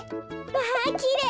わきれい！